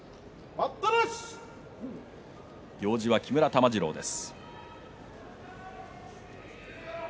行司は木村玉治郎です。